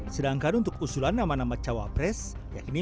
sedangkan untuk usulan nama nama cawapres yakni